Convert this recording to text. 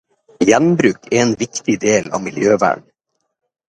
Gjenbruk er en viktig del av miljøvern.